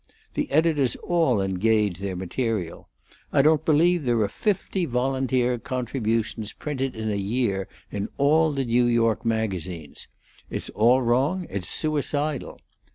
The editors all engage their material. I don't believe there are fifty volunteer contributions printed in a year in all the New York magazines. It's all wrong; it's suicidal.